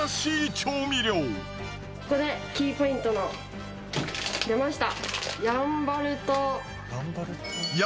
ここでキーポイントの出ました！